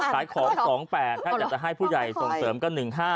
ขายของ๒๘ถ้าอยากจะให้ผู้ใหญ่ส่งเสริมก็๑๕